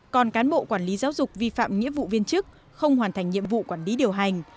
còn cán bộ quản lý giáo dục vi phạm nghĩa vụ viên chức không hoàn thành nhiệm vụ quản lý điều hành